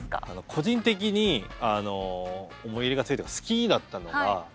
個人的に思い入れが強いっていうか好きだったのが商店街巡り。